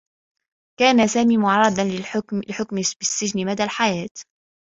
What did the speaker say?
كان سامي معرّضا لحكم بالسّجن مدى الحياة.